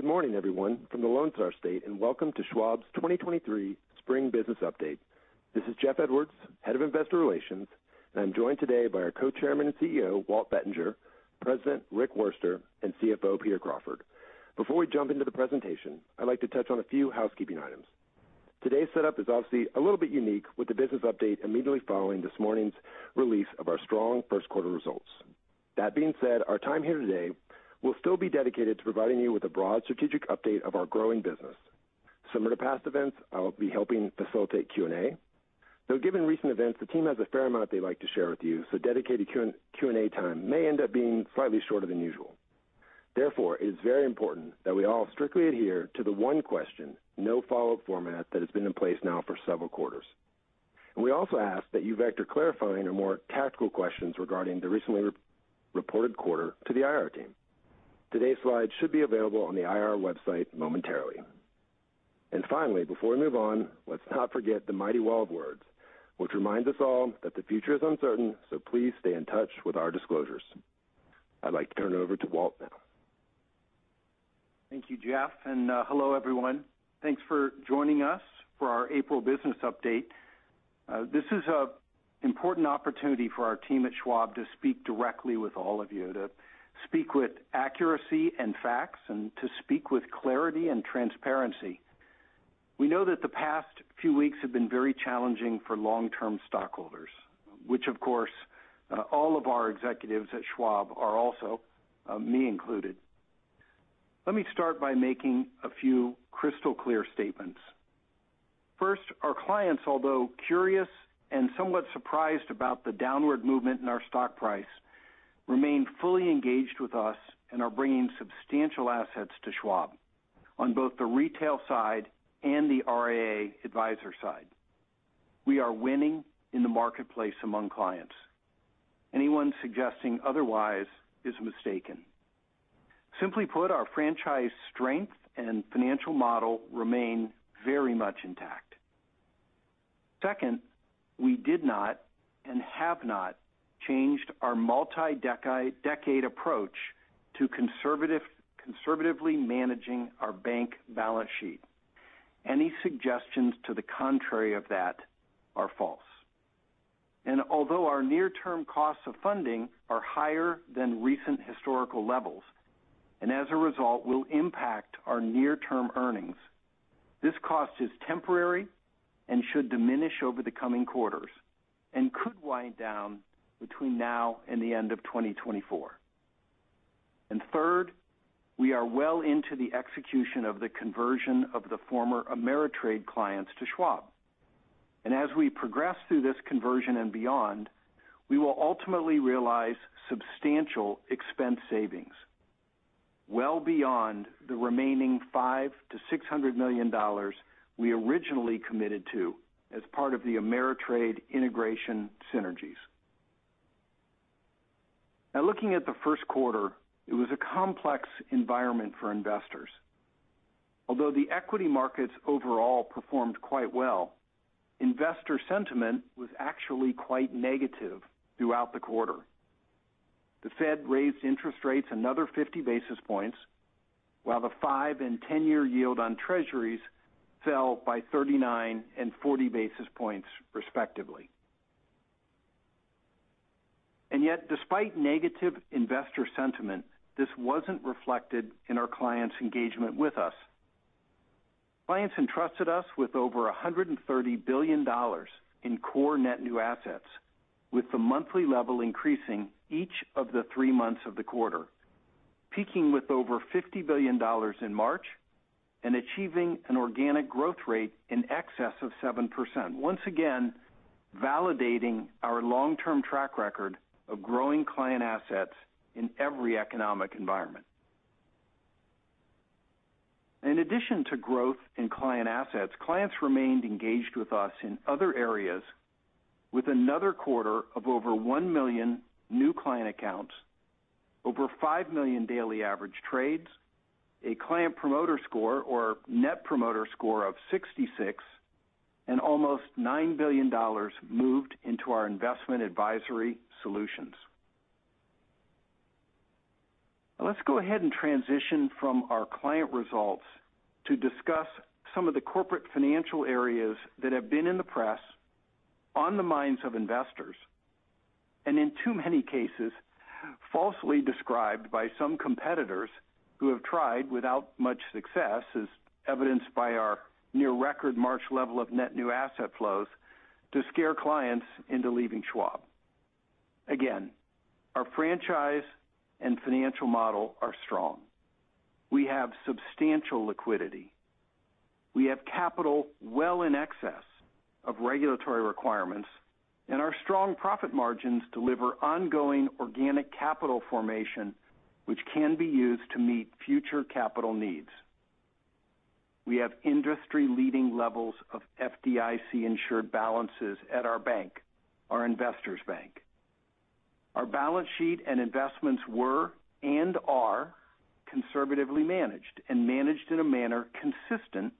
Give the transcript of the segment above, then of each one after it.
Good morning, everyone from the Lone Star State, welcome to Schwab's 2023 Spring Business Update. This is Jeff Edwards, head of Investor Relations, and I'm joined today by our Co-Chairman and CEO, Walt Bettinger, President, Rick Wurster, and CFO Peter Crawford. Before we jump into the presentation, I'd like to touch on a few housekeeping items. Today's setup is obviously a little bit unique, with the business update immediately following this morning's release of our strong first quarter results. That being said, our time here today will still be dedicated to providing you with a broad strategic update of our growing business. Similar to past events, I'll be helping facilitate Q&A, though given recent events, the team has a fair amount they like to share with you, so dedicated Q&A time may end up being slightly shorter than usual. It's very important that we all strictly adhere to the one question, no follow-up format that has been in place now for several quarters. We also ask that you vector clarifying or more tactical questions regarding the recently reported quarter to the IR team. Today's slides should be available on the IR website momentarily. Finally, before we move on, let's not forget the mighty Wall of Words, which reminds us all that the future is uncertain, please stay in touch with our disclosures. I'd like to turn it over to Walt now. Thank you, Jeff, and hello everyone. Thanks for joining us for our April business update. This is an important opportunity for our team at Schwab to speak directly with all of you, to speak with accuracy and facts, and to speak with clarity and transparency. We know that the past few weeks have been very challenging for long-term stockholders, which of course, all of our executives at Schwab are also, me included. Let me start by making a few crystal clear statements. First, our clients, although curious and somewhat surprised about the downward movement in our stock price, remain fully engaged with us and are bringing substantial assets to Schwab on both the retail side and the RIA advisor side. We are winning in the marketplace among clients. Anyone suggesting otherwise is mistaken. Simply put, our franchise strength and financial model remain very much intact. Second, we did not and have not changed our multi-decade approach to conservatively managing our bank balance sheet. Any suggestions to the contrary of that are false. Although our near-term costs of funding are higher than recent historical levels, and as a result will impact our near-term earnings, this cost is temporary and should diminish over the coming quarters and could wind down between now and the end of 2024. Third, we are well into the execution of the conversion of the former Ameritrade clients to Schwab. As we progress through this conversion and beyond, we will ultimately realize substantial expense savings well beyond the remaining $500 million-$600 million we originally committed to as part of the Ameritrade integration synergies. Looking at the first quarter, it was a complex environment for investors. Although the equity markets overall performed quite well, investor sentiment was actually quite negative throughout the quarter. The Fed raised interest rates another 50 basis points, while the five and 10-year yield on treasuries fell by 39 and 40 basis points respectively. Yet, despite negative investor sentiment, this wasn't reflected in our clients' engagement with us. Clients entrusted us with over $130 billion in core net new assets, with the monthly level increasing each of the three months of the quarter, peaking with over $50 billion in March and achieving an organic growth rate in excess of 7%, once again validating our long-term track record of growing client assets in every economic environment. In addition to growth in client assets, clients remained engaged with us in other areas with another quarter of over one million new client accounts, over five million daily average trades, a client promoter score or Net Promoter Score of 66, and almost $9 billion moved into our investment advisory solutions. Let's go ahead and transition from our client results to discuss some of the corporate financial areas that have been in the press, on the minds of investors, and in too many cases, falsely described by some competitors who have tried without much success, as evidenced by our near record March level of net new asset flows to scare clients into leaving Schwab. Our franchise and financial model are strong. We have substantial liquidity. We have capital well in excess of regulatory requirements, and our strong profit margins deliver ongoing organic capital formation, which can be used to meet future capital needs. We have industry-leading levels of FDIC-insured balances at our bank, our investors bank. Our balance sheet and investments were and are conservatively managed, and managed in a manner consistent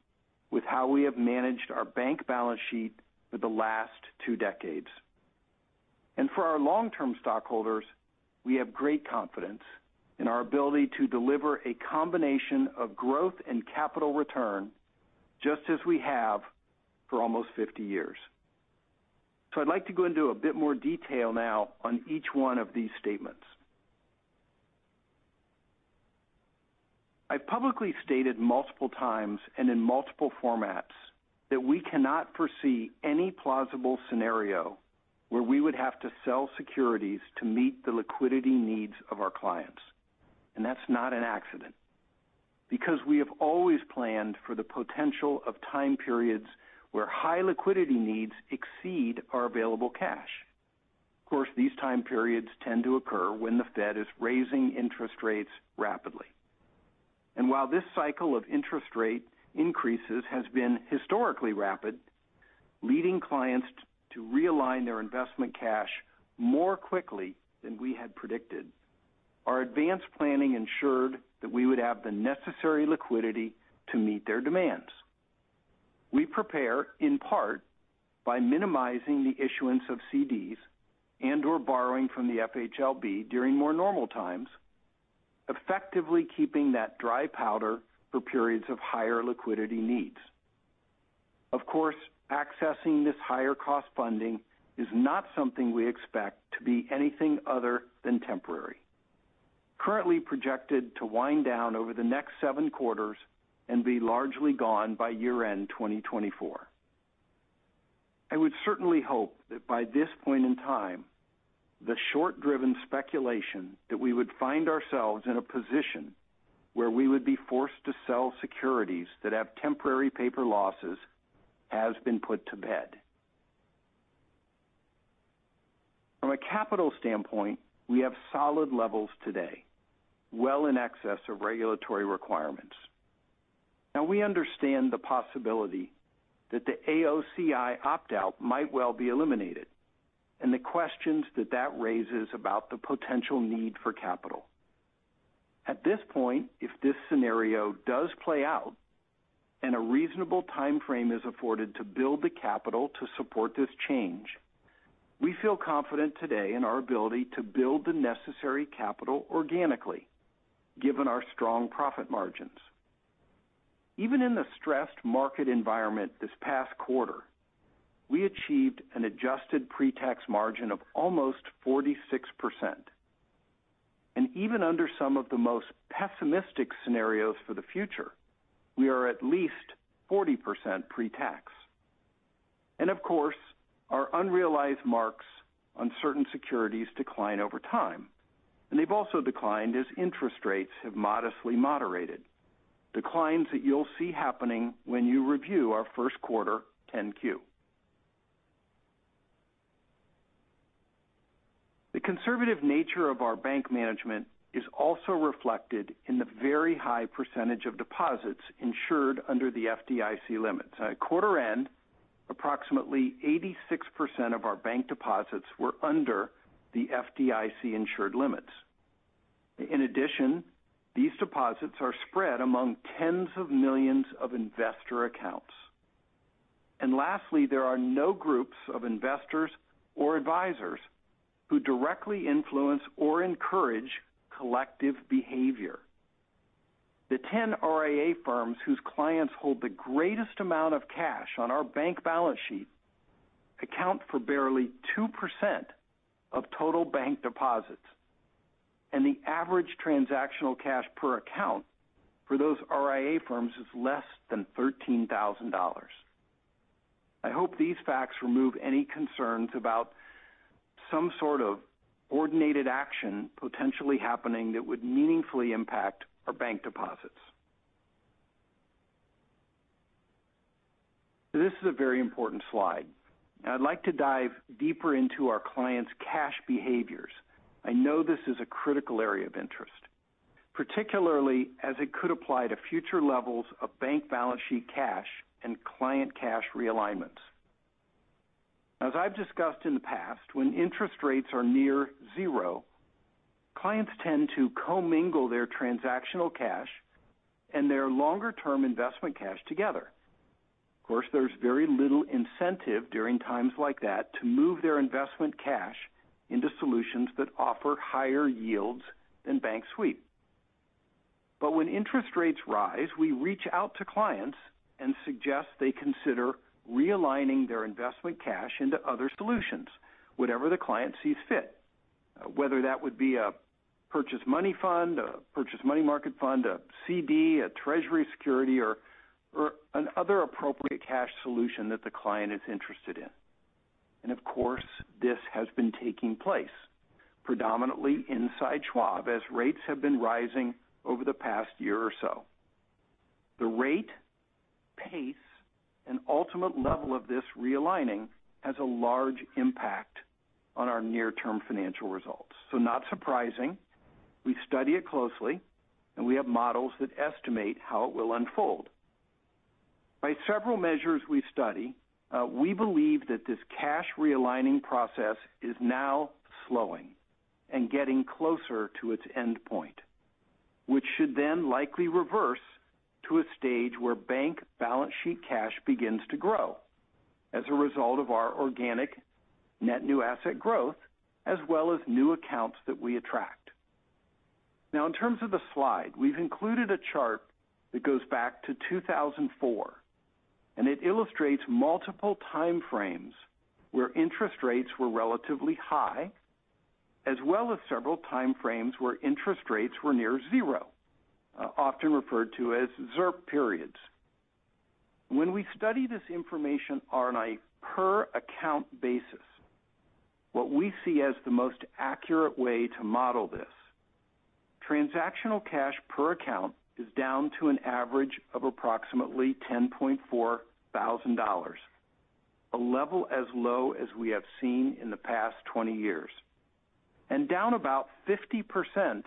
with how we have managed our bank balance sheet for the last two decades. For our long-term stockholders, we have great confidence in our ability to deliver a combination of growth and capital return just as we have for almost 50 years. I'd like to go into a bit more detail now on each one of these statements. I publicly stated multiple times and in multiple formats that we cannot foresee any plausible scenario where we would have to sell securities to meet the liquidity needs of our clients. That's not an accident, because we have always planned for the potential of time periods where high liquidity needs exceed our available cash. Of course, these time periods tend to occur when the Fed is raising interest rates rapidly. While this cycle of interest rate increases has been historically rapid, leading clients to realign their investment cash more quickly than we had predicted, our advanced planning ensured that we would have the necessary liquidity to meet their demands. We prepare in part by minimizing the issuance of CDs and/or borrowing from the FHLB during more normal times, effectively keeping that dry powder for periods of higher liquidity needs. Of course, accessing this higher cost funding is not something we expect to be anything other than temporary. Currently projected to wind down over the next seven quarters and be largely gone by year-end 2024. I would certainly hope that by this point in time, the short-driven speculation that we would find ourselves in a position where we would be forced to sell securities that have temporary paper losses has been put to bed. From a capital standpoint, we have solid levels today, well in excess of regulatory requirements. We understand the possibility that the AOCI opt-out might well be eliminated, and the questions that that raises about the potential need for capital. At this point, if this scenario does play out and a reasonable time frame is afforded to build the capital to support this change, we feel confident today in our ability to build the necessary capital organically given our strong profit margins. Even in the stressed market environment this past quarter, we achieved an adjusted pre-tax margin of almost 46%. Even under some of the most pessimistic scenarios for the future, we are at least 40% pre-tax. Of course, our unrealized marks on certain securities decline over time, and they've also declined as interest rates have modestly moderated. Declines that you'll see happening when you review our first quarter 10-Q. The conservative nature of our bank management is also reflected in the very high percentage of deposits insured under the FDIC limits. At quarter end, approximately 86% of our bank deposits were under the FDIC insured limits. In addition, these deposits are spread among tens of millions of investor accounts. Lastly, there are no groups of investors or advisors who directly influence or encourage collective behavior. The 10 RIA firms whose clients hold the greatest amount of cash on our bank balance sheet account for barely 2% of total bank deposits, and the average transactional cash per account for those RIA firms is less than $13,000. I hope these facts remove any concerns about some sort of coordinated action potentially happening that would meaningfully impact our bank deposits. This is a very important slide. I'd like to dive deeper into our clients' cash behaviors. I know this is a critical area of interest, particularly as it could apply to future levels of bank balance sheet cash and client cash realignments. As I've discussed in the past, when interest rates are near zero, clients tend to commingle their transactional cash and their longer-term investment cash together. Of course, there's very little incentive during times like that to move their investment cash into solutions that offer higher yields than bank sweep. When interest rates rise, we reach out to clients and suggest they consider realigning their investment cash into other solutions, whatever the client sees fit, whether that would be a purchase money fund, a purchased money market fund, a CD, a treasury security, or an other appropriate cash solution that the client is interested in. Of course, this has been taking place predominantly inside Schwab as rates have been rising over the past year or so. The rate, pace, and ultimate level of this realigning has a large impact on our near-term financial results. Not surprising, we study it closely, and we have models that estimate how it will unfold. By several measures we study, we believe that this cash realigning process is now slowing and getting closer to its endpoint. This should then likely reverse to a stage where bank balance sheet cash begins to grow as a result of our organic net new asset growth, as well as new accounts that we attract. In terms of the slide, we've included a chart that goes back to 2004, and it illustrates multiple time frames where interest rates were relatively high, as well as several time frames where interest rates were near zero, often referred to as ZIRP periods. When we study this information on a per account basis, what we see as the most accurate way to model this, transactional cash per account is down to an average of approximately $10.4 thousand, a level as low as we have seen in the past 20 years, and down about 50%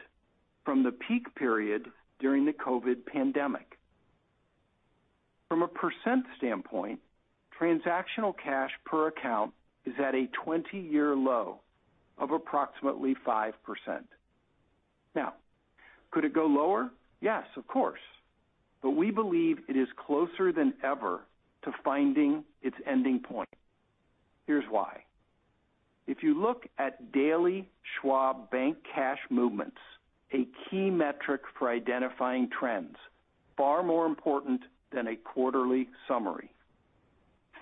from the peak period during the COVID pandemic. From a percent standpoint, transactional cash per account is at a 20-year low of approximately 5%. Now, could it go lower? Yes, of course. We believe it is closer than ever to finding its ending point. Here's why. If you look at daily Schwab Bank cash movements, a key metric for identifying trends, far more important than a quarterly summary.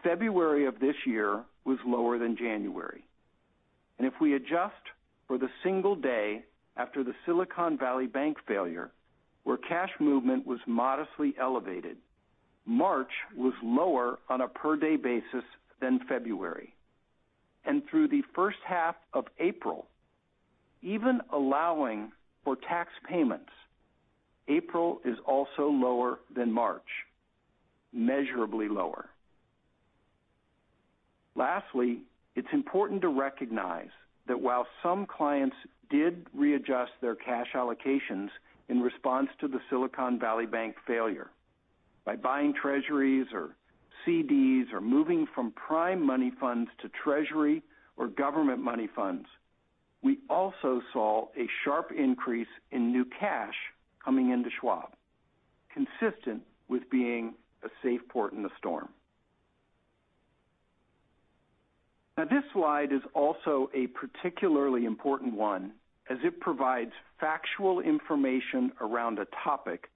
February of this year was lower than January. If we adjust for the single day after the Silicon Valley Bank failure, where cash movement was modestly elevated, March was lower on a per day basis than February. Through the first half of April, even allowing for tax payments, April is also lower than March, measurably lower. Lastly, it's important to recognize that while some clients did readjust their cash allocations in response to the Silicon Valley Bank failure by buying treasuries or CDs or moving from prime money funds to treasury or government money funds, we also saw a sharp increase in new cash coming into Schwab, consistent with being a safe port in the storm. This slide is also a particularly important one as it provides factual information around a topic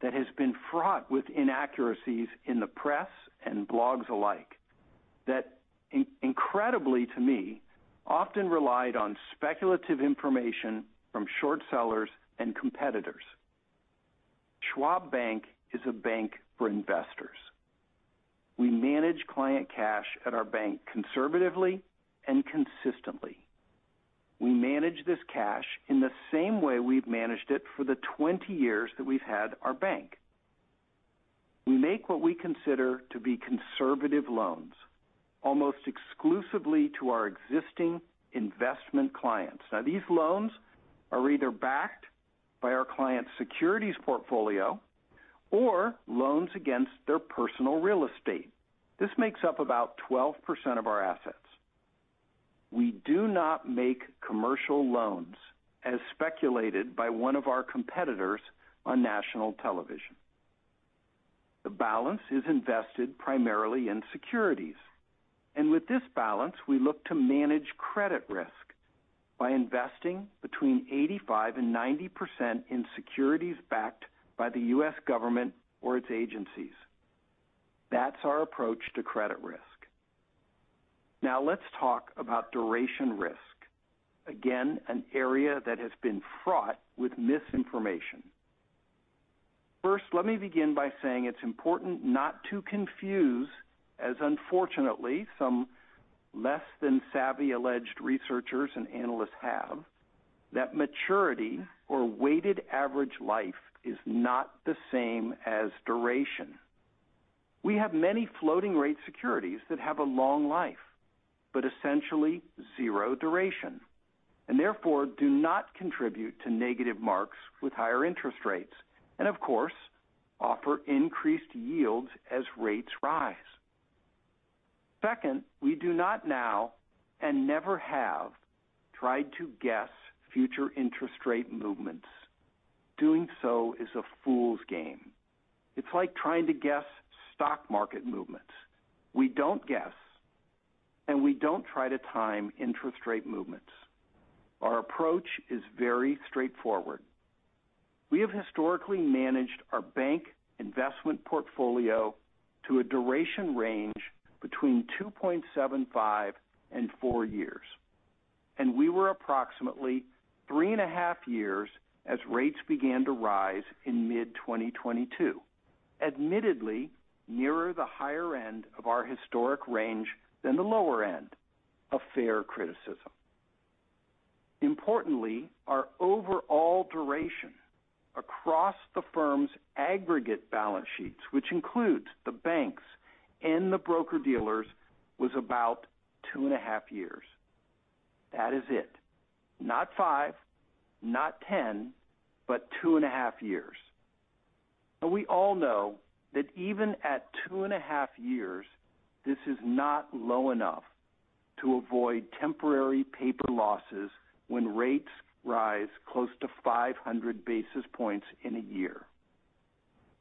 that has been fraught with inaccuracies in the press and blogs alike that incredibly to me, often relied on speculative information from short sellers and competitors. Schwab Bank is a bank for investors. We manage client cash at our bank conservatively and consistently. We manage this cash in the same way we've managed it for the 20 years that we've had our bank. We make what we consider to be conservative loans almost exclusively to our existing investment clients. These loans are either backed by our client's securities portfolio or loans against their personal real estate. This makes up about 12% of our assets. We do not make commercial loans, as speculated by one of our competitors on national television. The balance is invested primarily in securities. With this balance, we look to manage credit risk by investing between 85%-90% in securities backed by the U.S. government or its agencies. That's our approach to credit risk. Let's talk about duration risk. An area that has been fraught with misinformation. Let me begin by saying it's important not to confuse, as unfortunately some less than savvy alleged researchers and analysts have, that maturity or weighted average life is not the same as duration. We have many floating rate securities that have a long life, but essentially zero duration, and therefore do not contribute to negative marks with higher interest rates, and of course, offer increased yields as rates rise. We do not now and never have tried to guess future interest rate movements. Doing so is a fool's game. It's like trying to guess stock market movements. We don't guess, and we don't try to time interest rate movements. Our approach is very straightforward. We have historically managed our bank investment portfolio to a duration range between 2.75 and four years. We were approximately 3.5 years as rates began to rise in mid-2022. Admittedly, nearer the higher end of our historic range than the lower end. A fair criticism. Importantly, our overall duration across the firm's aggregate balance sheets, which includes the banks and the broker-dealers, was about 2.5 years. That is it. Not five, not 10, but 2.5 years. We all know that even at 2.5 years, this is not low enough to avoid temporary paper losses when rates rise close to 500 basis points in a year.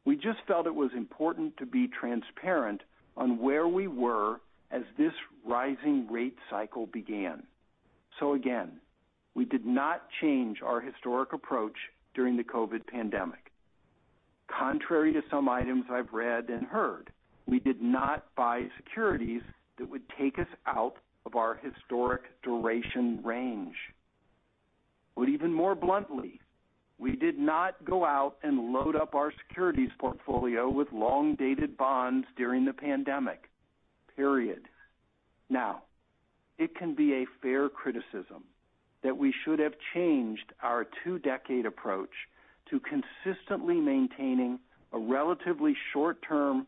We just felt it was important to be transparent on where we were as this rising rate cycle began. Again, we did not change our historic approach during the COVID pandemic. Contrary to some items I've read and heard, we did not buy securities that would take us out of our historic duration range. Even more bluntly, we did not go out and load up our securities portfolio with long-dated bonds during the pandemic, period. It can be a fair criticism that we should have changed our two-decade approach to consistently maintaining a relatively short-term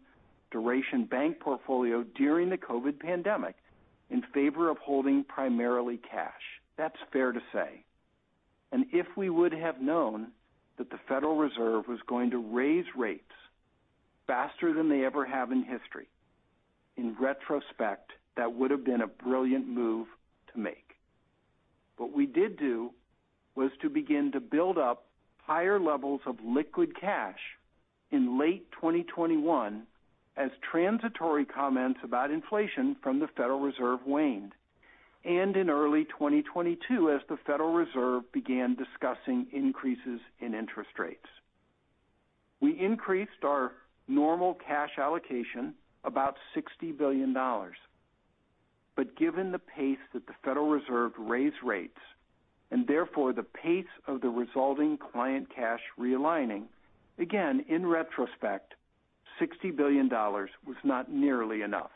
duration bank portfolio during the COVID pandemic in favor of holding primarily cash. That's fair to say. If we would have known that the Federal Reserve was going to raise rates faster than they ever have in history, in retrospect, that would have been a brilliant move to make. What we did do was to begin to build up higher levels of liquid cash in late 2021 as transitory comments about inflation from the Federal Reserve waned, and in early 2022 as the Federal Reserve began discussing increases in interest rates. We increased our normal cash allocation about $60 billion. Given the pace that the Federal Reserve raised rates, and therefore the pace of the resolving client cash realigning, again, in retrospect, $60 billion was not nearly enough,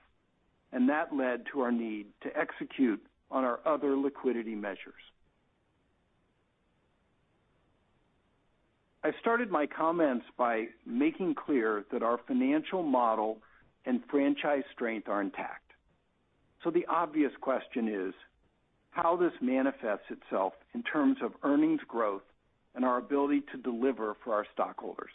and that led to our need to execute on our other liquidity measures. I started my comments by making clear that our financial model and franchise strength are intact. The obvious question is how this manifests itself in terms of earnings growth and our ability to deliver for our stockholders.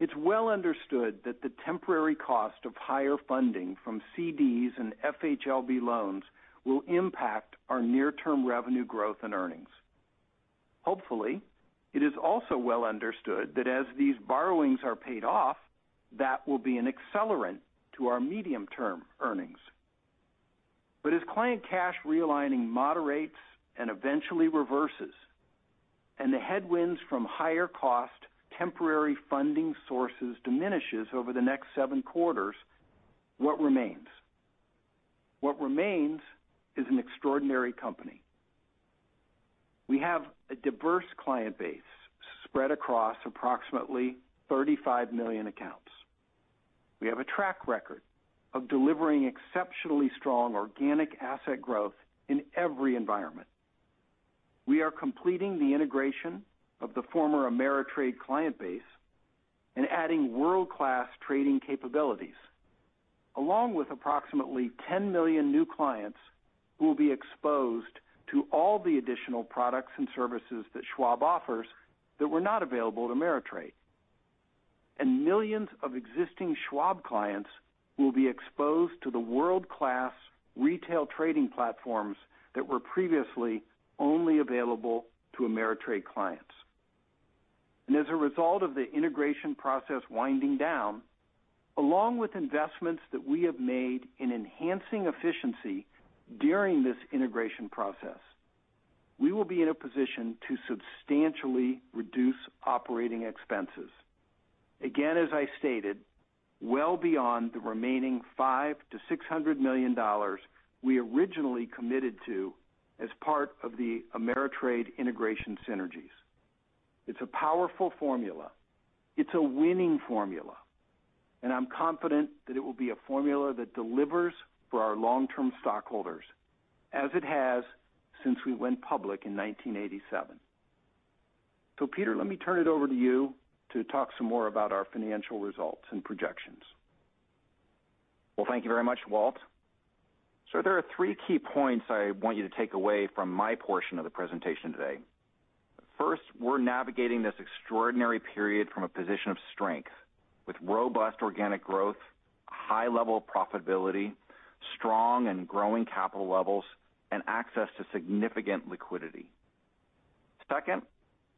It's well understood that the temporary cost of higher funding from CDs and FHLB loans will impact our near-term revenue growth and earnings. Hopefully, it is also well understood that as these borrowings are paid off, that will be an accelerant to our medium-term earnings. As client cash realigning moderates and eventually reverses, and the headwinds from higher cost temporary funding sources diminishes over the next seven quarters, what remains? What remains is an extraordinary company. We have a diverse client base spread across approximately 35 million accounts. We have a track record of delivering exceptionally strong organic asset growth in every environment. We are completing the integration of the former Ameritrade client base and adding world-class trading capabilities, along with approximately 10 million new clients who will be exposed to all the additional products and services that Schwab offers that were not available to Ameritrade. Millions of existing Schwab clients will be exposed to the world-class retail trading platforms that were previously only available to Ameritrade clients. As a result of the integration process winding down, along with investments that we have made in enhancing efficiency during this integration process, we will be in a position to substantially reduce operating expenses. Again, as I stated, well beyond the remaining $500 million-$600 million we originally committed to as part of the Ameritrade integration synergies. It's a powerful formula. It's a winning formula, and I'm confident that it will be a formula that delivers for our long-term stockholders as it has since we went public in 1987. Peter, let me turn it over to you to talk some more about our financial results and projections. Well, thank you very much, Walt. There are three key points I want you to take away from my portion of the presentation today. First, we're navigating this extraordinary period from a position of strength with robust organic growth, high level profitability, strong and growing capital levels, and access to significant liquidity. Second,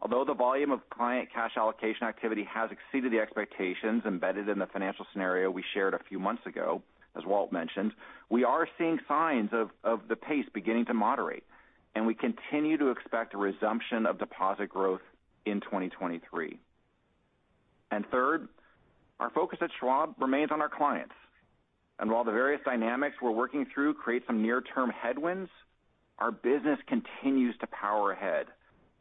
although the volume of client cash allocation activity has exceeded the expectations embedded in the financial scenario we shared a few months ago, as Walt mentioned, we are seeing signs of the pace beginning to moderate, and we continue to expect a resumption of deposit growth in 2023. Third, our focus at Schwab remains on our clients. While the various dynamics we're working through create some near-term headwinds, our business continues to power ahead,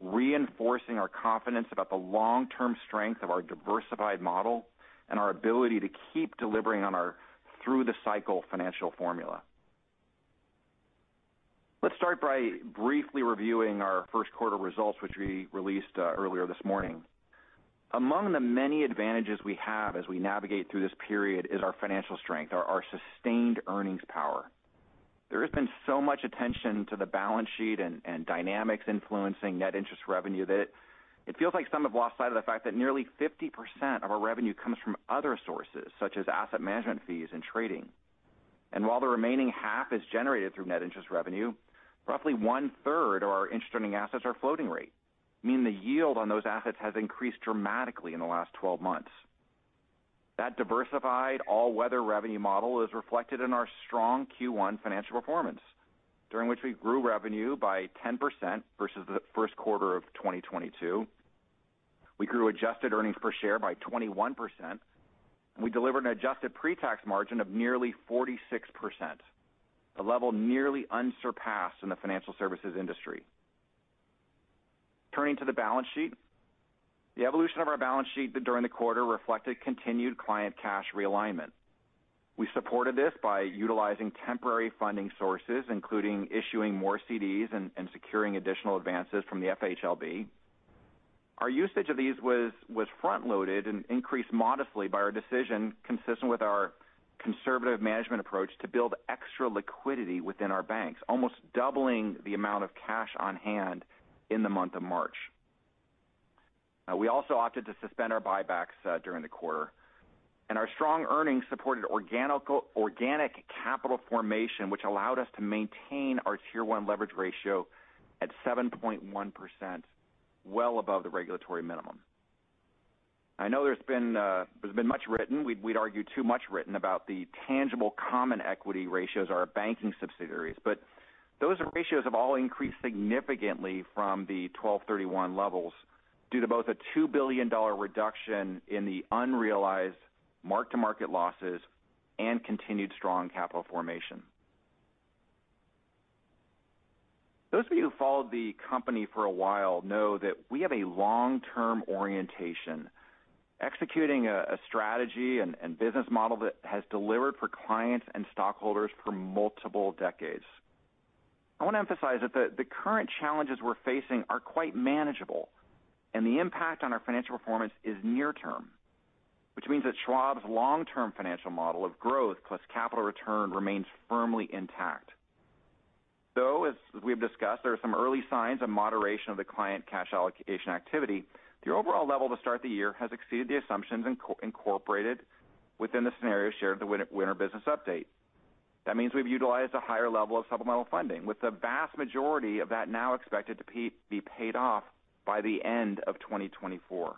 reinforcing our confidence about the long-term strength of our diversified model and our ability to keep delivering on our through-the-cycle financial formula. Let's start by briefly reviewing our first quarter results, which we released earlier this morning. Among the many advantages we have as we navigate through this period is our financial strength, our sustained earnings power. There has been so much attention to the balance sheet and dynamics influencing net interest revenue that it feels like some have lost sight of the fact that nearly 50% of our revenue comes from other sources, such as asset management fees and trading. While the remaining half is generated through net interest revenue, roughly one-third of our interest earning assets are floating rate, meaning the yield on those assets has increased dramatically in the last 12 months. That diversified all-weather revenue model is reflected in our strong Q1 financial performance, during which we grew revenue by 10% versus the first quarter of 2022. We grew adjusted earnings per share by 21%, and we delivered an adjusted pre-tax margin of nearly 46%, a level nearly unsurpassed in the financial services industry. Turning to the balance sheet. The evolution of our balance sheet during the quarter reflected continued client cash realignment. We supported this by utilizing temporary funding sources, including issuing more CDs and securing additional advances from the FHLB. Our usage of these was front-loaded and increased modestly by our decision, consistent with our conservative management approach to build extra liquidity within our banks, almost doubling the amount of cash on hand in the month of March. We also opted to suspend our buybacks during the quarter, and our strong earnings supported organic capital formation, which allowed us to maintain our Tier 1 leverage ratio at 7.1%, well above the regulatory minimum. I know there's been much written, we'd argue too much written about the tangible common equity ratios of our banking subsidiaries, but those ratios have all increased significantly from the 12/31 levels due to both a $2 billion reduction in the unrealized mark-to-market losses and continued strong capital formation. Those of you who followed the company for a while know that we have a long-term orientation, executing a strategy and business model that has delivered for clients and stockholders for multiple decades. I want to emphasize that the current challenges we're facing are quite manageable, and the impact on our financial performance is near-term, which means that Schwab's long-term financial model of growth plus capital return remains firmly intact. As we've discussed, there are some early signs of moderation of the client cash allocation activity, the overall level to start the year has exceeded the assumptions incorporated within the scenario shared at the winter business update. We've utilized a higher level of supplemental funding, with the vast majority of that now expected to be paid off by the end of 2024.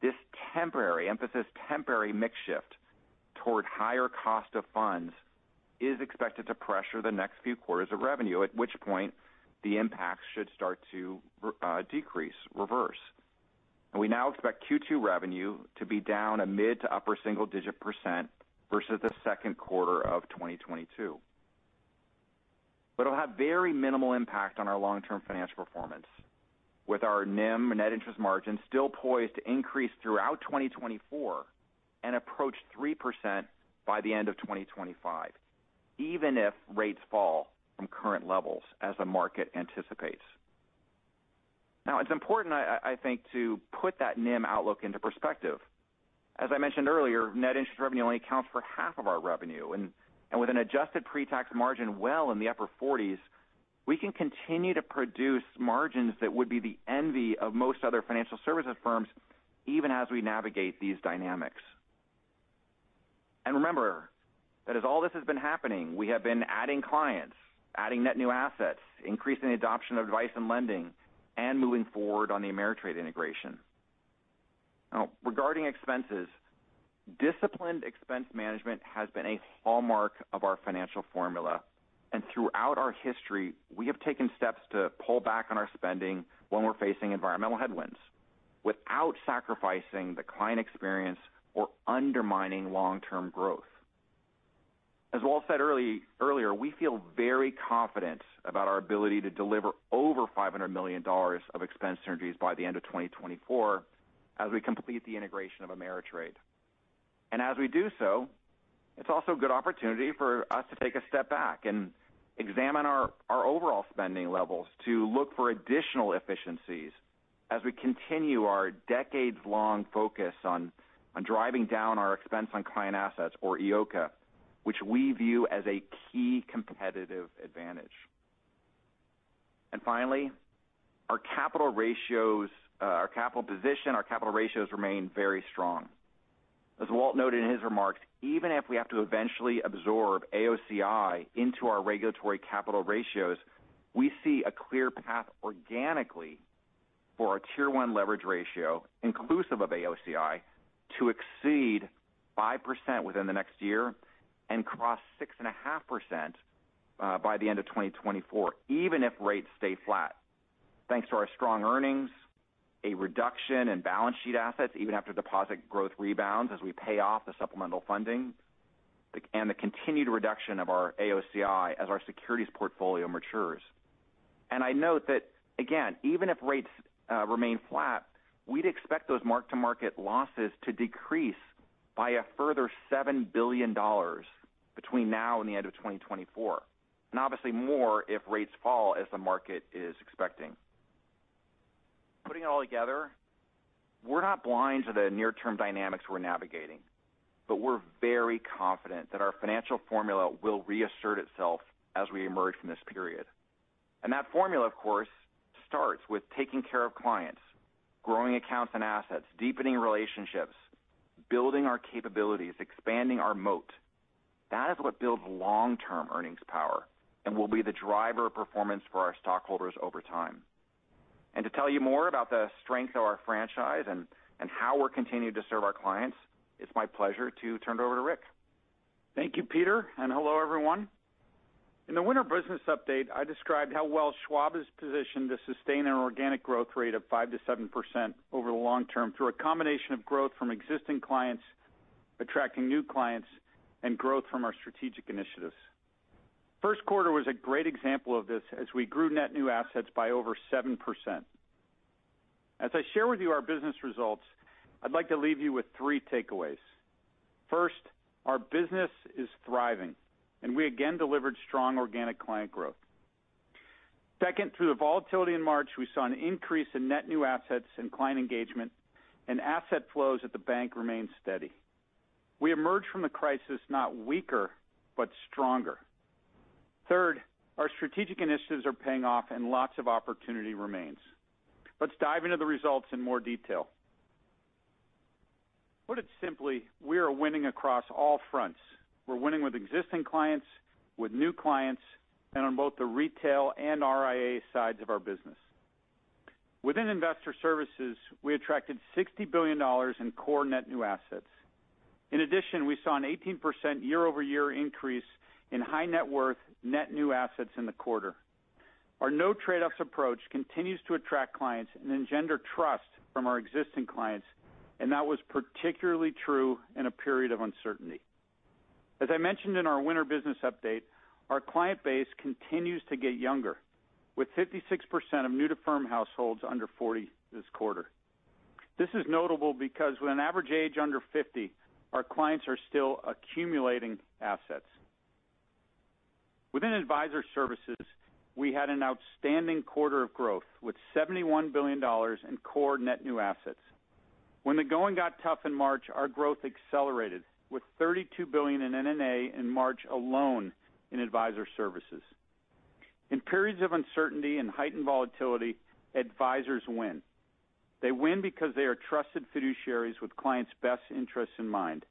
This temporary, emphasis temporary, mix shift toward higher cost of funds is expected to pressure the next few quarters of revenue, at which point the impact should start to decrease, reverse. We now expect Q2 revenue to be down a mid to upper single-digit % versus the second quarter of 2022. It'll have very minimal impact on our long-term financial performance with our NIM, net interest margin, still poised to increase throughout 2024 and approach 3% by the end of 2025, even if rates fall from current levels as the market anticipates. It's important I think to put that NIM outlook into perspective. As I mentioned earlier, net interest revenue only accounts for half of our revenue, and with an adjusted pre-tax margin well in the upper forties, we can continue to produce margins that would be the envy of most other financial services firms, even as we navigate these dynamics. Remember that as all this has been happening, we have been adding clients, adding net new assets, increasing the adoption of advice and lending, and moving forward on the Ameritrade integration. Regarding expenses, disciplined expense management has been a hallmark of our financial formula, and throughout our history, we have taken steps to pull back on our spending when we're facing environmental headwinds without sacrificing the client experience or undermining long-term growth. As Walt said earlier, we feel very confident about our ability to deliver over $500 million of expense synergies by the end of 2024 as we complete the integration of Ameritrade. As we do so, it's also a good opportunity for us to take a step back and examine our overall spending levels to look for additional efficiencies as we continue our decades-long focus on driving down our expense on client assets or EOCA, which we view as a key competitive advantage. Finally, our capital ratios, our capital position, our capital ratios remain very strong. As Walt noted in his remarks, even if we have to eventually absorb AOCI into our regulatory capital ratios, we see a clear path organically for our Tier 1 leverage ratio, inclusive of AOCI, to exceed 5% within the next year and cross 6.5% by the end of 2024, even if rates stay flat. Thanks to our strong earnings, a reduction in balance sheet assets, even after deposit growth rebounds as we pay off the supplemental funding, and the continued reduction of our AOCI as our securities portfolio matures. I note that again, even if rates remain flat, we'd expect those mark-to-market losses to decrease by a further $7 billion between now and the end of 2024, and obviously more if rates fall as the market is expecting. Putting it all together, we're not blind to the near-term dynamics we're navigating, but we're very confident that our financial formula will reassert itself as we emerge from this period. That formula, of course, starts with taking care of clients, growing accounts and assets, deepening relationships, building our capabilities, expanding our moat. That is what builds long-term earnings power and will be the driver of performance for our stockholders over time. To tell you more about the strength of our franchise and how we're continuing to serve our clients, it's my pleasure to turn it over to Rick. Thank you, Peter, and hello, everyone. In the winter business update, I described how well Schwab is positioned to sustain an organic growth rate of 5%-7% over the long term through a combination of growth from existing clients, attracting new clients, and growth from our strategic initiatives. First quarter was a great example of this as we grew net new assets by over 7%. As I share with you our business results, I'd like to leave you with three takeaways. First, our business is thriving, and we again delivered strong organic client growth. Second, through the volatility in March, we saw an increase in net new assets and client engagement, and asset flows at the bank remained steady. We emerged from the crisis not weaker, but stronger. Third, our strategic initiatives are paying off and lots of opportunity remains. Let's dive into the results in more detail. Put it simply, we are winning across all fronts. We're winning with existing clients, with new clients, and on both the retail and RIA sides of our business. Within Investor Services, we attracted $60 billion in core net new assets. In addition, we saw an 18% year-over-year increase in high net worth net new assets in the quarter. Our no trade-offs approach continues to attract clients and engender trust from our existing clients, and that was particularly true in a period of uncertainty. As I mentioned in our winter business update, our client base continues to get younger, with 56% of new-to-firm households under 40 this quarter. This is notable because with an average age under 50, our clients are still accumulating assets. Within Advisor Services, we had an outstanding quarter of growth, with $71 billion in core net new assets. When the going got tough in March, our growth accelerated with $32 billion in NNA in March alone in Advisor Services. In periods of uncertainty and heightened volatility, advisors win. They win because they are trusted fiduciaries with clients' best interests in mind.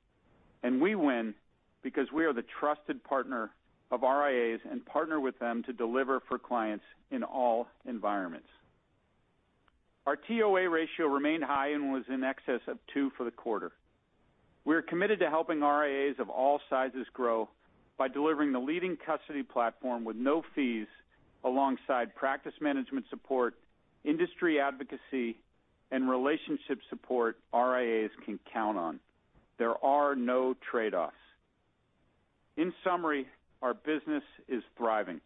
We win because we are the trusted partner of RIAs and partner with them to deliver for clients in all environments. Our TOA ratio remained high and was in excess of 2 for the quarter. We are committed to helping RIAs of all sizes grow by delivering the leading custody platform with no fees alongside practice management support, industry advocacy, and relationship support RIAs can count on. There are no trade-offs. In summary, our business is thriving.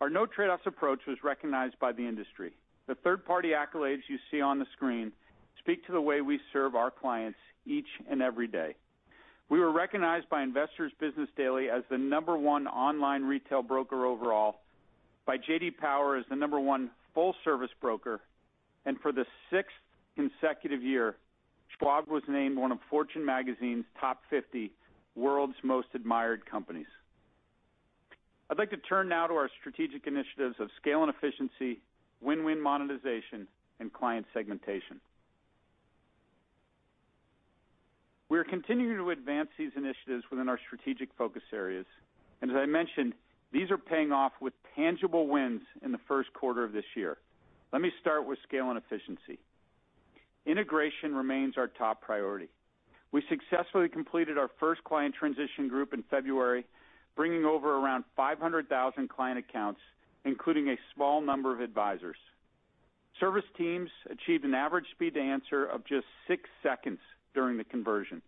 Our no trade-offs approach was recognized by the industry. The third-party accolades you see on the screen speak to the way we serve our clients each and every day. We were recognized by Investor's Business Daily as the number 1 online retail broker overall, by J.D. Power as the number 1 full-service broker, and for the sixth consecutive year, Schwab was named one of Fortune Magazine's top 50 world's most admired companies. I'd like to turn now to our strategic initiatives of scale and efficiency, win-win monetization, and client segmentation. We are continuing to advance these initiatives within our strategic focus areas, as I mentioned, these are paying off with tangible wins in the first quarter of this year. Let me start with scale and efficiency. Integration remains our top priority. We successfully completed our first client transition group in February, bringing over around 500,000 client accounts, including a small number of advisors. Service teams achieved an average speed to answer of just six seconds during the conversion,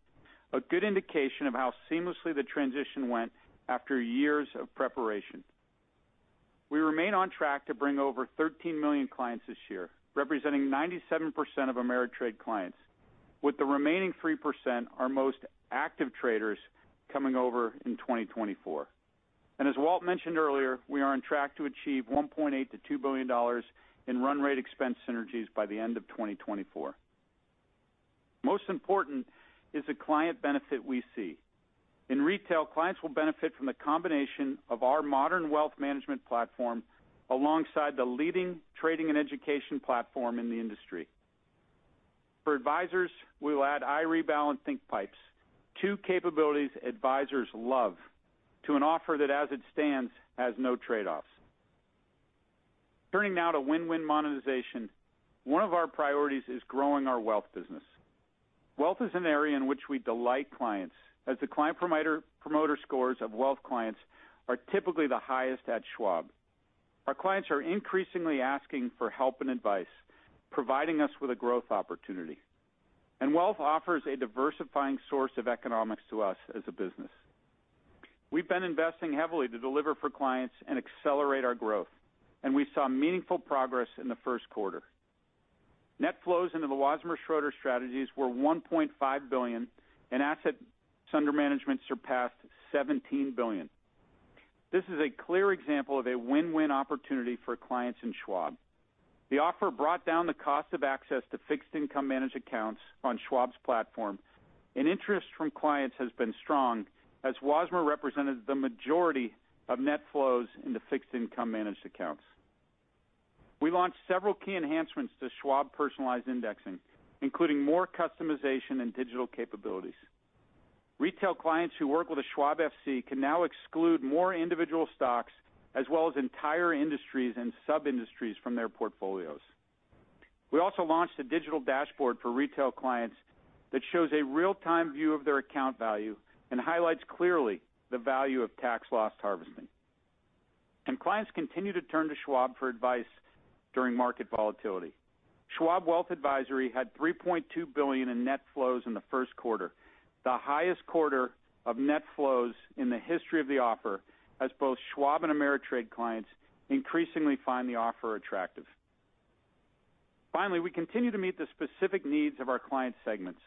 a good indication of how seamlessly the transition went after years of preparation. We remain on track to bring over 13 million clients this year, representing 97% of Ameritrade clients, with the remaining 3% our most active traders coming over in 2024. As Walt mentioned earlier, we are on track to achieve $1.8 billion-$2 billion in run rate expense synergies by the end of 2024. Most important is the client benefit we see. In retail, clients will benefit from the combination of our modern wealth management platform alongside the leading trading and education platform in the industry. For advisors, we will add iRebal thinkpipes, two capabilities advisors love to an offer that, as it stands, has no trade-offs. Turning now to win-win monetization, one of our priorities is growing our wealth business. Wealth is an area in which we delight clients, as the client promoter scores of wealth clients are typically the highest at Schwab. Our clients are increasingly asking for help and advice, providing us with a growth opportunity. Wealth offers a diversifying source of economics to us as a business. We've been investing heavily to deliver for clients and accelerate our growth, and we saw meaningful progress in the first quarter. Net flows into the Wasmer Schroeder strategies were $1.5 billion, and assets under management surpassed $17 billion. This is a clear example of a win-win opportunity for clients in Schwab. The offer brought down the cost of access to fixed income managed accounts on Schwab's platform. Interest from clients has been strong as Wasmer represented the majority of net flows into fixed income managed accounts. We launched several key enhancements to Schwab Personalized Indexing, including more customization and digital capabilities. Retail clients who work with a Schwab FC can now exclude more individual stocks as well as entire industries and sub-industries from their portfolios. We also launched a digital dashboard for retail clients that shows a real-time view of their account value and highlights clearly the value of tax-loss harvesting. Clients continue to turn to Schwab for advice during market volatility. Schwab Wealth Advisory had $3.2 billion in net flows in the first quarter, the highest quarter of net flows in the history of the offer, as both Schwab and Ameritrade clients increasingly find the offer attractive. Finally, we continue to meet the specific needs of our client segments.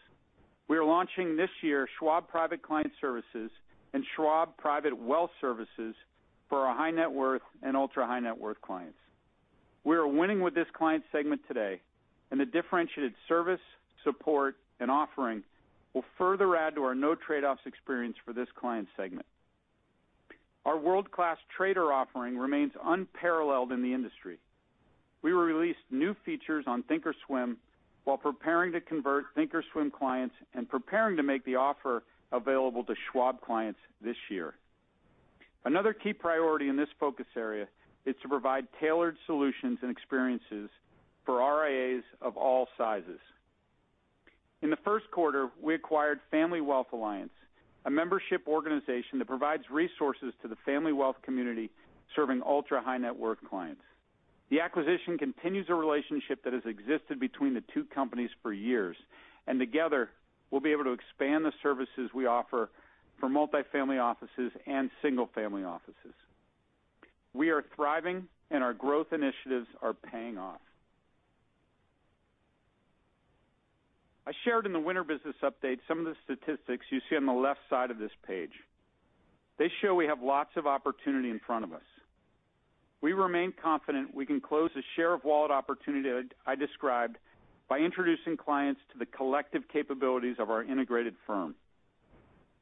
We are launching this year Schwab Private Client Services and Schwab Private Wealth Services for our high net worth and ultra-high net worth clients. We are winning with this client segment today, and the differentiated service, support, and offering will further add to our no trade-offs experience for this client segment. Our world-class trader offering remains unparalleled in the industry. We released new features on thinkorswim while preparing to convert thinkorswim clients and preparing to make the offer available to Schwab clients this year. Another key priority in this focus area is to provide tailored solutions and experiences for RIAs of all sizes. In the first quarter, we acquired The Family Wealth Alliance, a membership organization that provides resources to the family wealth community serving ultra-high net worth clients. The acquisition continues a relationship that has existed between the two companies for years. Together, we'll be able to expand the services we offer for multifamily offices and single family offices. We are thriving. Our growth initiatives are paying off. I shared in the winter business update some of the statistics you see on the left side of this page. They show we have lots of opportunity in front of us. We remain confident we can close the share of wallet opportunity I described by introducing clients to the collective capabilities of our integrated firm.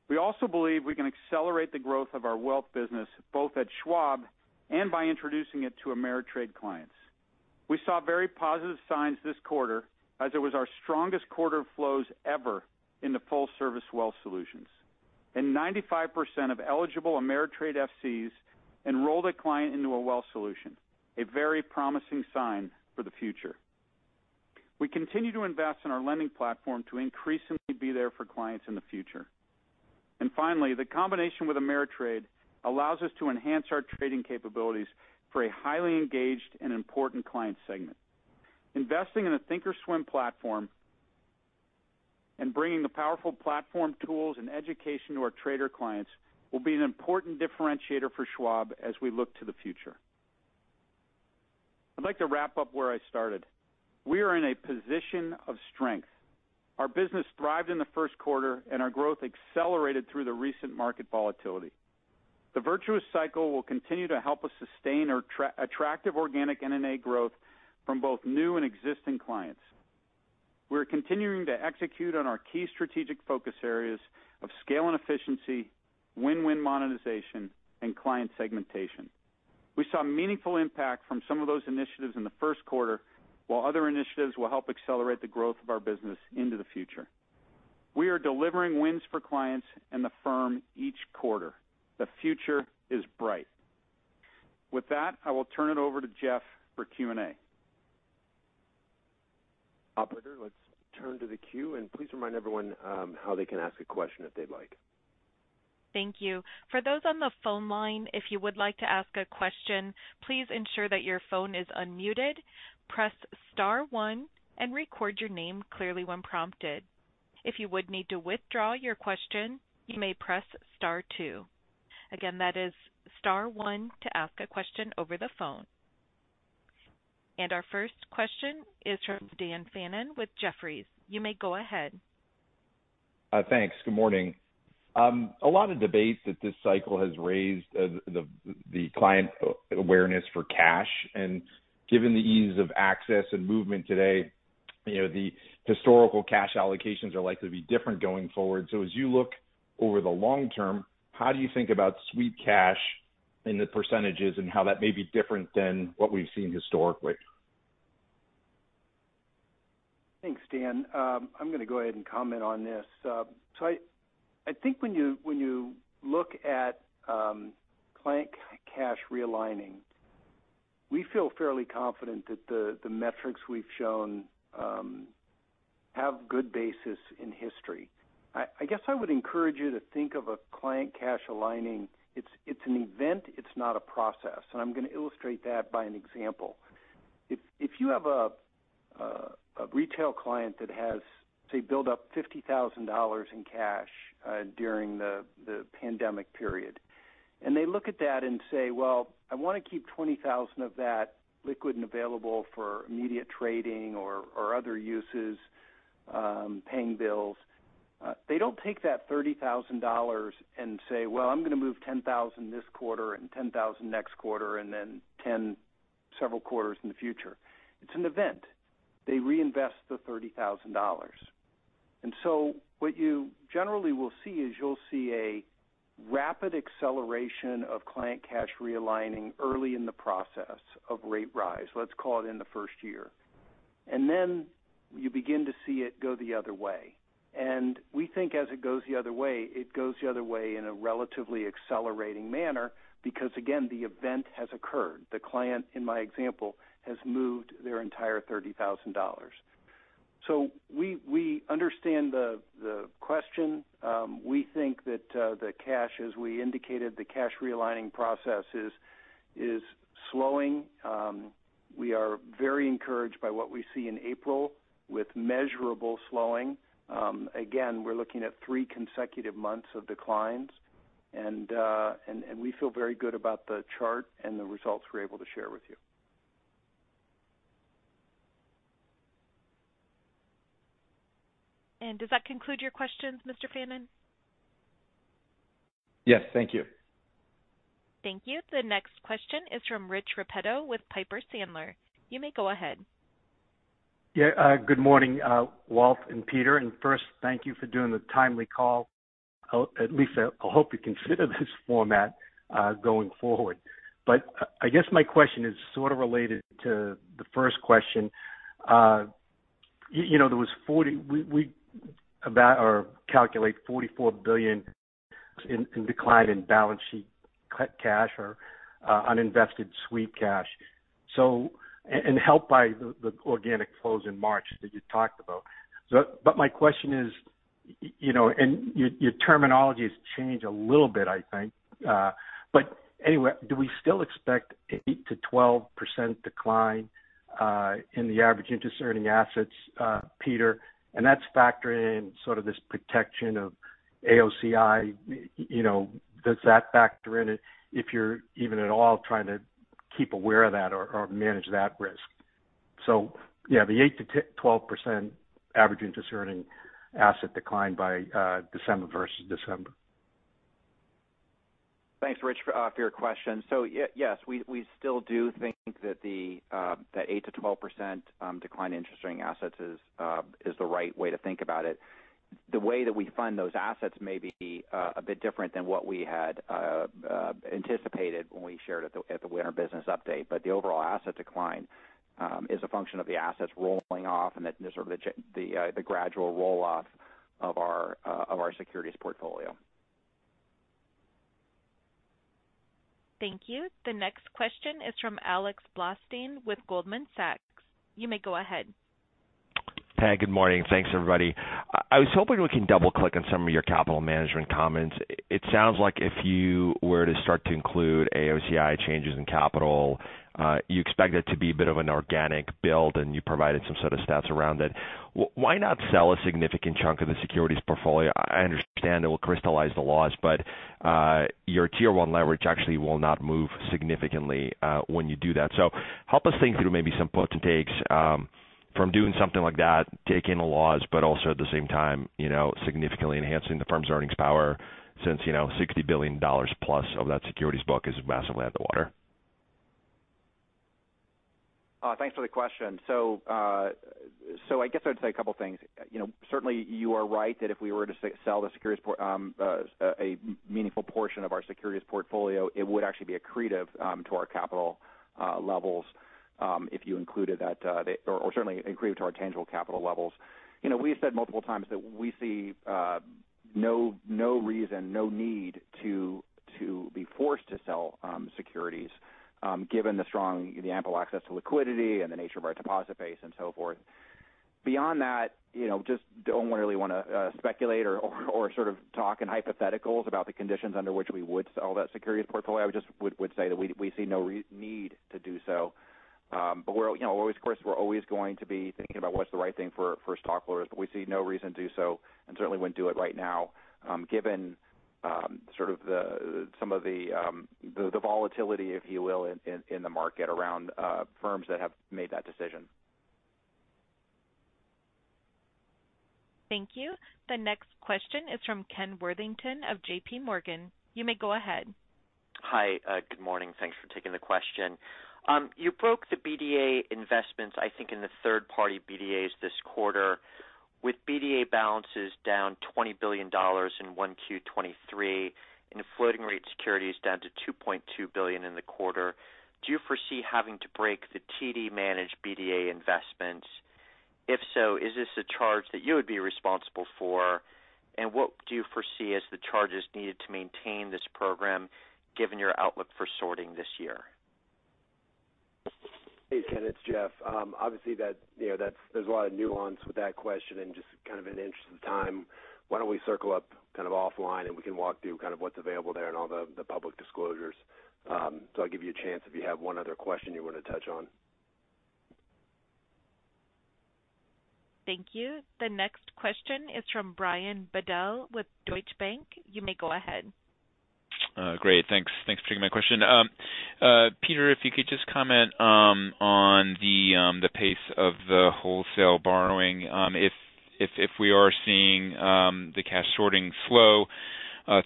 We also believe we can accelerate the growth of our wealth business, both at Schwab and by introducing it to Ameritrade clients. We saw very positive signs this quarter as it was our strongest quarter of flows ever in the full-service wealth solutions. 95% of eligible Ameritrade FCs enrolled a client into a wealth solution, a very promising sign for the future. We continue to invest in our lending platform to increasingly be there for clients in the future. Finally, the combination with Ameritrade allows us to enhance our trading capabilities for a highly engaged and important client segment. Investing in a thinkorswim platform and bringing the powerful platform tools and education to our trader clients will be an important differentiator for Schwab as we look to the future. I'd like to wrap up where I started. We are in a position of strength. Our business thrived in the first quarter, and our growth accelerated through the recent market volatility. The virtuous cycle will continue to help us sustain our attractive organic NNA growth from both new and existing clients. We are continuing to execute on our key strategic focus areas of scale and efficiency, win-win monetization, and client segmentation. We saw meaningful impact from some of those initiatives in the first quarter, while other initiatives will help accelerate the growth of our business into the future. We are delivering wins for clients and the firm each quarter. The future is bright. With that, I will turn it over to Jeff for Q&A. Operator, let's turn to the queue, and please remind everyone how they can ask a question if they'd like. Thank you. For those on the phone line, if you would like to ask a question, please ensure that your phone is unmuted, press star one and record your name clearly when prompted. If you would need to withdraw your question, you may press star two. Again, that is star one to ask a question over the phone. Our first question is from Dan Fannon with Jefferies. You may go ahead. Thanks. Good morning. A lot of debate that this cycle has raised the client awareness for cash. Given the ease of access and movement today, you know, the historical cash allocations are likely to be different going forward. As you look over the long term, how do you think about sweep cash in the percentages and how that may be different than what we've seen historically? Thanks, Dan. I'm gonna go ahead and comment on this. I think when you look at client cash realigning, we feel fairly confident that the metrics we've shown have good basis in history. I guess I would encourage you to think of a client cash aligning, it's an event, it's not a process. I'm gonna illustrate that by an example. If you have a retail client that has, say, built up $50,000 in cash during the pandemic period, and they look at that and say, "Well, I wanna keep $20,000 of that liquid and available for immediate trading or other uses. Paying bills. They don't take that $30,000 and say, "Well, I'm gonna move $10,000 this quarter and $10,000 next quarter, and then $10,000 several quarters in the future." It's an event. They reinvest the $30,000. What you generally will see is you'll see a rapid acceleration of client cash realigning early in the process of rate rise, let's call it in the first year. Then you begin to see it go the other way. We think as it goes the other way, it goes the other way in a relatively accelerating manner because again, the event has occurred. The client, in my example, has moved their entire $30,000. We understand the question. We think that the cash, as we indicated, the cash realigning process is slowing. We are very encouraged by what we see in April with measurable slowing. Again, we're looking at three consecutive months of declines. We feel very good about the chart and the results we're able to share with you. Does that conclude your questions, Mr. Fannon? Yes. Thank you. Thank you. The next question is from Rich Repetto with Piper Sandler. You may go ahead. Yeah, good morning, Walt and Peter. First, thank you for doing the timely call. At least I hope you consider this format going forward. I guess my question is sort of related to the first question. You know, there was about or calculate $44 billion in decline in balance sheet cash or uninvested sweep cash. Helped by the organic close in March that you talked about. My question is, you know, your terminology has changed a little bit, I think. Anyway, do we still expect 8%-12% decline in the average interest earning assets, Peter? That's factoring in sort of this protection of AOCI. You know, does that factor in it if you're even at all trying to keep aware of that or manage that risk? Yeah, the 8%-12% average interest earning asset decline by December versus December. Thanks, Rich, for your question. Yes, we still do think that the 8%-12% decline in interest earning assets is the right way to think about it. The way that we fund those assets may be a bit different than what we had anticipated when we shared at the winter business update. The overall asset decline is a function of the assets rolling off and the sort of the gradual roll off of our securities portfolio. Thank you. The next question is from Alex Blostein with Goldman Sachs. You may go ahead. Hey, good morning. Thanks, everybody. I was hoping we can double-click on some of your capital management comments. It sounds like if you were to start to include AOCI changes in capital, you expect it to be a bit of an organic build, and you provided some sort of stats around it. Why not sell a significant chunk of the securities portfolio? I understand it will crystallize the loss, but your Tier 1 leverage actually will not move significantly when you do that. Help us think through maybe some puts and takes from doing something like that, taking the loss, but also at the same time, you know, significantly enhancing the firm's earnings power since, you know, $60 billion plus of that securities book is massively at the water. Thanks for the question. I guess I'd say a couple things. You know, certainly you are right that if we were to sell the securities a meaningful portion of our securities portfolio, it would actually be accretive to our capital levels, if you included that, or certainly accretive to our tangible capital levels. You know, we have said multiple times that we see no reason, no need to be forced to sell securities, given the strong, the ample access to liquidity and the nature of our deposit base and so forth. Beyond that, you know, just don't really wanna speculate or sort of talk in hypotheticals about the conditions under which we would sell that securities portfolio. I just would say that we see no need to do so. We're, you know, always of course, we're always going to be thinking about what's the right thing for stockholders. We see no reason to do so and certainly wouldn't do it right now, given sort of the, some of the volatility, if you will, in the market around firms that have made that decision. Thank you. The next question is from Ken Worthington of J.P. Morgan. You may go ahead. Hi. Good morning. Thanks for taking the question. You broke the BDA investments, I think, in the third-party BDAs this quarter. With BDA balances down $20 billion in 1Q23 and floating rate securities down to $2.2 billion in the quarter, do you foresee having to break the TD managed BDA investments? If so, is this a charge that you would be responsible for? What do you foresee as the charges needed to maintain this program given your outlook for sorting this year? Hey, Ken, it's Jeff. Obviously that, you know, there's a lot of nuance with that question and just kind of in the interest of time, why don't we circle up kind of offline and we can walk through kind of what's available there and all the public disclosures. I'll give you a chance if you have one other question you wanna touch on. Thank you. The next question is from Brian Bedell with Deutsche Bank. You may go ahead. Great. Thanks. Thanks for taking my question. Peter, if you could just comment on the pace of the wholesale borrowing. If we are seeing the cash shorting slow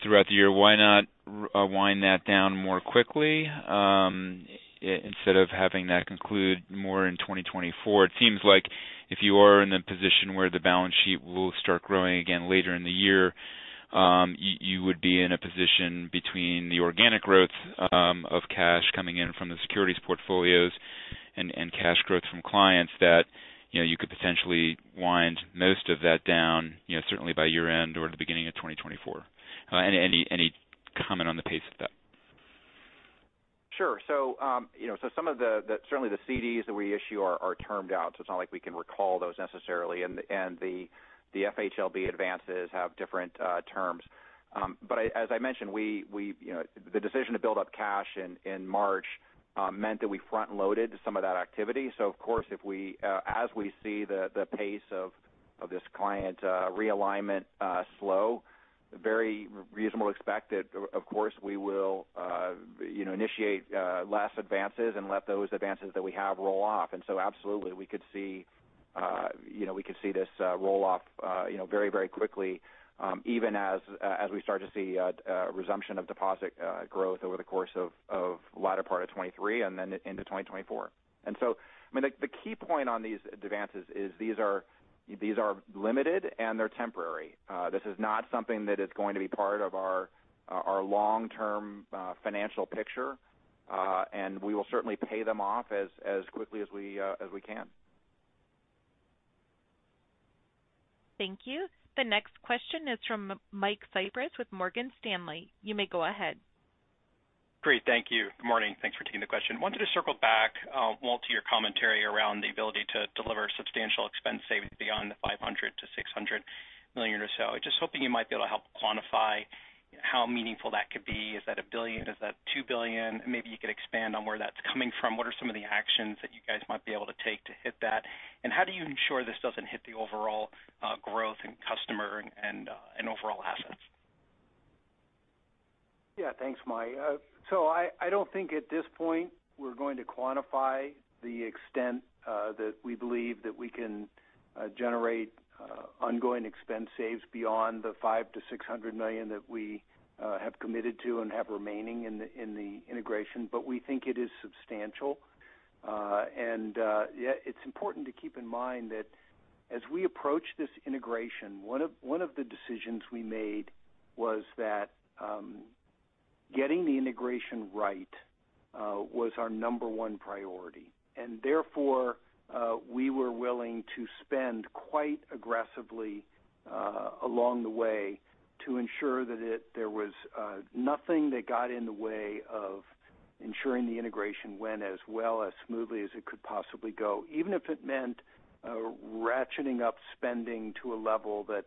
throughout the year, why not wind that down more quickly instead of having that conclude more in 2024? It seems like if you are in the position where the balance sheet will start growing again later in the year, you would be in a position between the organic growth of cash coming in from the securities portfolios and cash growth from clients that, you know, you could potentially wind most of that down, you know, certainly by year-end or the beginning of 2024. Any comment on the pace of that? Sure. You know, so some of the certainly the CDs that we issue are termed out, so it's not like we can recall those necessarily. The FHLB advances have different terms. As I mentioned, we, you know, the decision to build up cash in March meant that we front-loaded some of that activity. Of course, if we as we see the pace of this client realignment slow, very reasonable expected, of course, we will, you know, initiate less advances and let those advances that we have roll off. Absolutely, we could see, you know, we could see this roll off, you know, very, very quickly, even as we start to see a resumption of deposit growth over the course of latter part of 2023 and then into 2024. I mean, the key point on these advances is these are, these are limited, and they're temporary. This is not something that is going to be part of our long-term financial picture, and we will certainly pay them off as quickly as we can. Thank you. The next question is from Michael Cyprys with Morgan Stanley. You may go ahead. Great. Thank you. Good morning. Thanks for taking the question. Wanted to circle back, Walt, to your commentary around the ability to deliver substantial expense savings beyond the $500 million-$600 million or so. Just hoping you might be able to help quantify how meaningful that could be. Is that $1 billion? Is that $2 billion? Maybe you could expand on where that's coming from. What are some of the actions that you guys might be able to take to hit that? How do you ensure this doesn't hit the overall growth in customer and overall assets? Yeah. Thanks, Mike. I don't think at this point we're going to quantify the extent that we believe that we can generate ongoing expense saves beyond the $500 million-$600 million that we have committed to and have remaining in the integration. We think it is substantial. Yeah, it's important to keep in mind that as we approach this integration, one of the decisions we made was that getting the integration right was our number one priority. Therefore, we were willing to spend quite aggressively along the way to ensure that there was nothing that got in the way of ensuring the integration went as well, as smoothly as it could possibly go. Even if it meant ratcheting up spending to a level that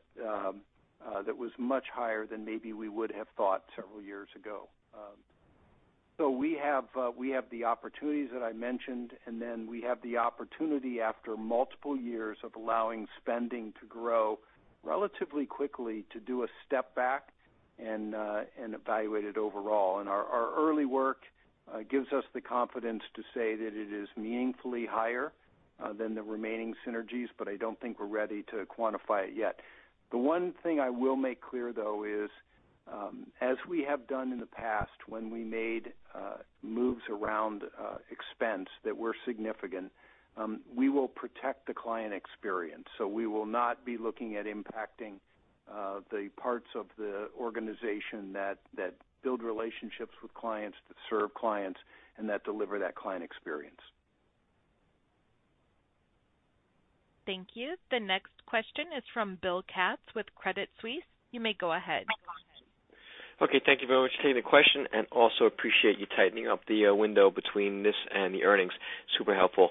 was much higher than maybe we would have thought several years ago. We have the opportunities that I mentioned, then we have the opportunity after multiple years of allowing spending to grow relatively quickly to do a step back and evaluate it overall. Our early work gives us the confidence to say that it is meaningfully higher than the remaining synergies, I don't think we're ready to quantify it yet. The one thing I will make clear though is, as we have done in the past when we made moves around expense that were significant, we will protect the client experience. We will not be looking at impacting the parts of the organization that build relationships with clients, that serve clients, and that deliver that client experience. Thank you. The next question is from Bill Katz with Credit Suisse. You may go ahead. Okay. Thank you very much for taking the question, and also appreciate you tightening up the window between this and the earnings. Super helpful.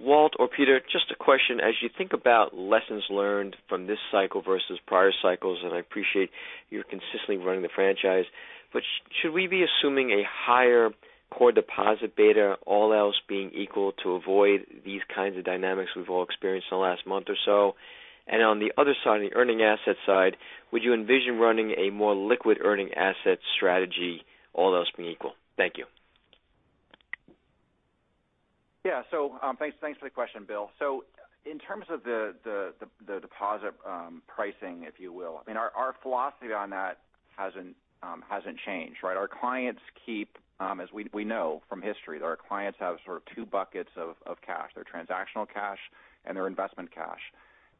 Walt or Peter, just a question. As you think about lessons learned from this cycle versus prior cycles, and I appreciate you're consistently running the franchise, but should we be assuming a higher core deposit beta, all else being equal, to avoid these kinds of dynamics we've all experienced in the last month or so? On the other side, the earning asset side, would you envision running a more liquid earning asset strategy, all else being equal? Thank you. Yeah. Thanks for the question, Bill. In terms of the deposit pricing, if you will, I mean, our philosophy on that hasn't changed, right? Our clients keep as we know from history that our clients have sort of two buckets of cash, their transactional cash and their investment cash.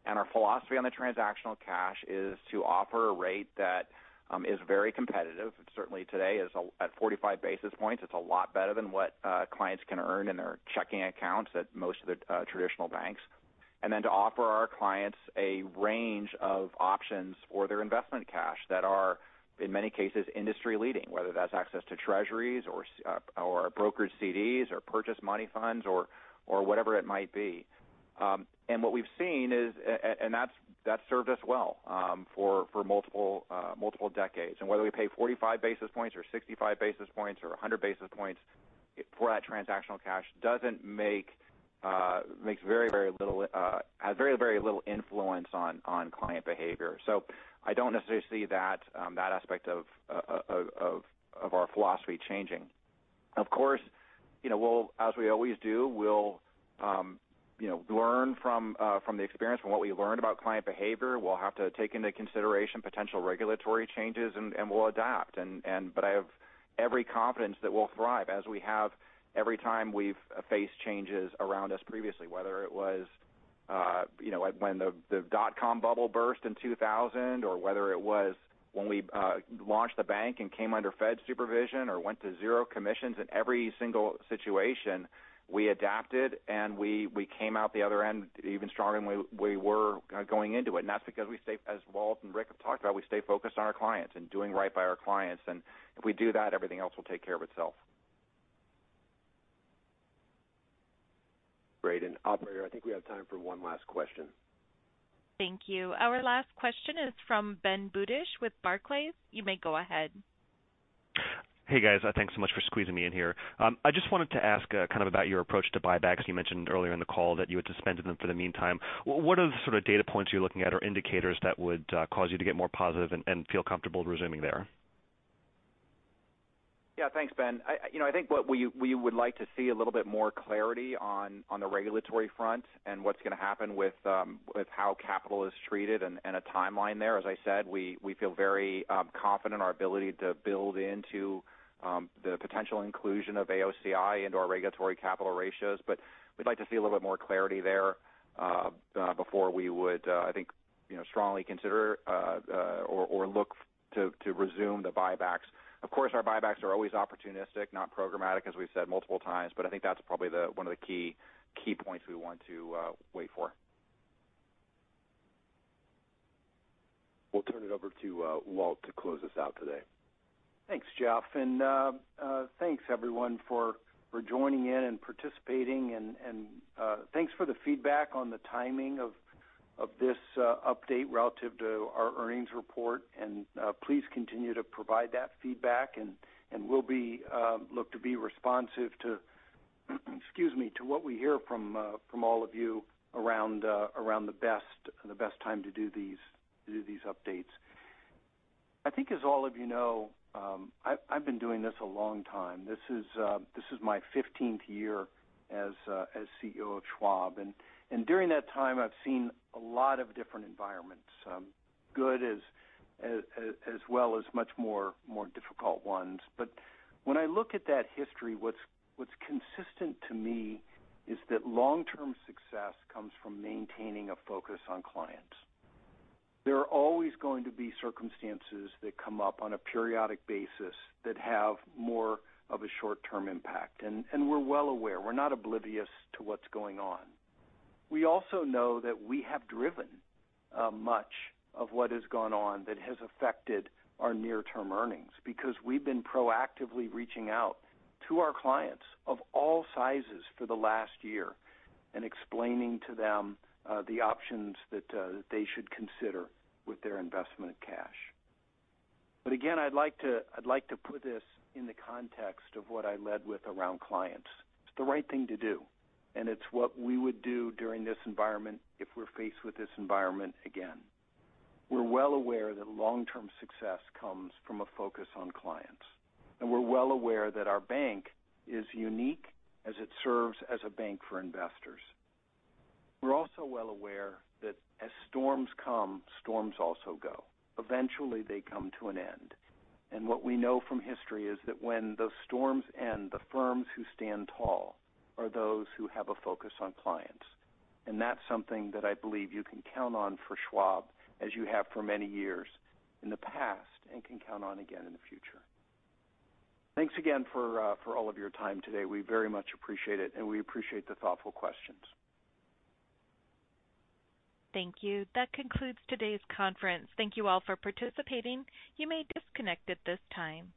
Our philosophy on the transactional cash is to offer a rate that is very competitive. Certainly today is at 45 basis points, it's a lot better than what clients can earn in their checking accounts at most of the traditional banks. To offer our clients a range of options for their investment cash that are, in many cases, industry-leading, whether that's access to Treasuries or brokerage CDs or purchase money funds or whatever it might be. And what we've seen is and that's served us well for multiple decades. Whether we pay 45 basis points or 65 basis points or 100 basis points for that transactional cash has very, very little influence on client behavior. I don't necessarily see that aspect of our philosophy changing. Of course, you know, as we always do, we'll, you know, learn from the experience, from what we learned about client behavior. We'll have to take into consideration potential regulatory changes, and we'll adapt. But I have every confidence that we'll thrive as we have every time we've faced changes around us previously, whether it was, you know, when the dot-com bubble burst in 2000, or whether it was when we launched the bank and came under Fed supervision or went to zero commissions. In every single situation, we adapted, and we came out the other end even stronger than we were going into it. That's because we stay, as Walt and Rick have talked about, we stay focused on our clients and doing right by our clients. If we do that, everything else will take care of itself. Operator, I think we have time for one last question. Thank you. Our last question is from Ben Budish with Barclays. You may go ahead. Hey, guys. Thanks so much for squeezing me in here. I just wanted to ask kind of about your approach to buybacks. You mentioned earlier in the call that you had suspended them for the meantime. What are the sort of data points you're looking at or indicators that would cause you to get more positive and feel comfortable resuming there? Thanks, Ben. I, you know, I think what we would like to see a little bit more clarity on the regulatory front and what's gonna happen with how capital is treated and a timeline there. As I said, we feel very confident in our ability to build into the potential inclusion of AOCI into our regulatory capital ratios. We'd like to see a little bit more clarity there before we would, I think, you know, strongly consider or look to resume the buybacks. Of course, our buybacks are always opportunistic, not programmatic, as we've said multiple times, but I think that's probably one of the key points we want to wait for. We'll turn it over to Walt to close us out today. Thanks, Jeff. Thanks, everyone for joining in and participating, and thanks for the feedback on the timing of this update relative to our earnings report. Please continue to provide that feedback, and we'll look to be responsive to, excuse me, to what we hear from all of you around the best time to do these updates. I think as all of you know, I've been doing this a long time. This is my 15th year as CEO of Schwab. During that time, I've seen a lot of different environments, good as well as much more difficult ones. When I look at that history, what's consistent to me is that long-term success comes from maintaining a focus on clients. There are always going to be circumstances that come up on a periodic basis that have more of a short-term impact, and we're well aware. We're not oblivious to what's going on. We also know that we have driven much of what has gone on that has affected our near-term earnings because we've been proactively reaching out to our clients of all sizes for the last year and explaining to them the options that they should consider with their investment cash. Again, I'd like to put this in the context of what I led with around clients. It's the right thing to do, and it's what we would do during this environment if we're faced with this environment again. We're well aware that long-term success comes from a focus on clients, and we're well aware that our bank is unique as it serves as a bank for investors. We're also well aware that as storms come, storms also go. Eventually, they come to an end. What we know from history is that when those storms end, the firms who stand tall are those who have a focus on clients. That's something that I believe you can count on for Schwab as you have for many years in the past and can count on again in the future. Thanks again for all of your time today. We very much appreciate it, and we appreciate the thoughtful questions. Thank you. That concludes today's conference. Thank you all for participating. You may disconnect at this time.